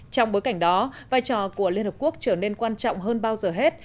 trong bối cảnh đó vai trò của liên hợp quốc trở nên quan trọng hơn bao giờ hết